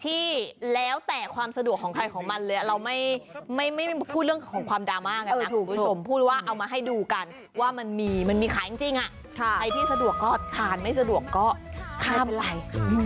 ที่แล้วแต่ความสะดวกของใครขอมันเลย